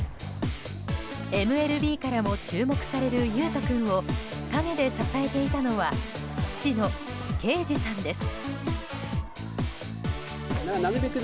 ＭＬＢからも注目される悠翔君を陰で支えていたのは父の啓司さんです。